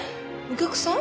お客さん？